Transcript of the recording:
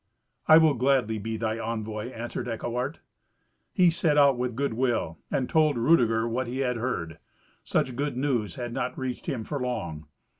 "I will gladly be thy envoy," answered Eckewart. He set out with good will, and told Rudeger what he had heard. Such good news had not reached him for long.